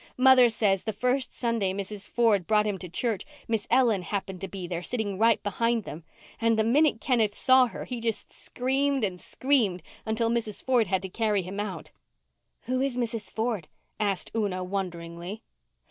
Mother says the first Sunday Mrs. Ford brought him to church Miss Ellen happened to be there, sitting right behind them. And the minute Kenneth saw her he just screamed and screamed until Mrs. Ford had to carry him out." "Who is Mrs. Ford?" asked Una wonderingly.